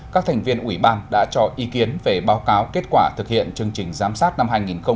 các thành viên ủy ban đã cho ý kiến về báo cáo kết quả thực hiện chương trình giám sát năm hai nghìn một mươi chín